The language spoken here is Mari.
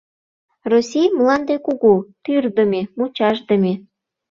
Россий мланде кугу, тӱрдымӧ, мучашдыме.